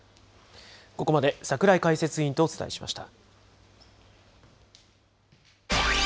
ここまで櫻井解説委員とお伝えしました。